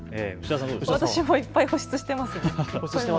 私もいっぱい保湿しています。